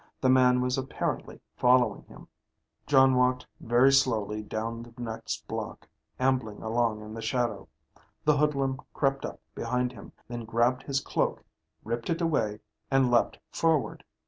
The man was apparently following him. Jon walked very slowly down the next block, ambling along in the shadow. The hoodlum crept up behind him, then grabbed his cloak, ripped it away, and leaped forward.